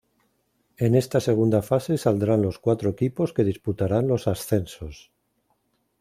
En esta segunda fase saldrán los cuatro equipos que disputarán los ascensos.